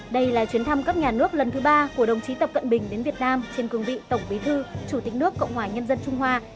đây là chuyến thăm cấp nhà nước lần thứ ba của đồng chí tập cận bình đến việt nam trên cường vị tổng bí thư chủ tịch nước cộng hòa nhân dân trung hoa